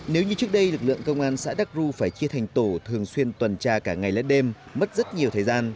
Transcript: nếu như trước đây lực lượng công an xã đắc ru phải chia thành tổ thường xuyên tuần tra cả ngày lẫn đêm mất rất nhiều thời gian